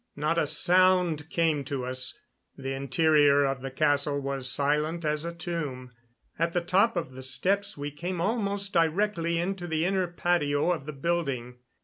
Not a sound came to us; the interior of the castle was silent as a tomb. At the top of the steps we came almost directly into the inner patio of the building.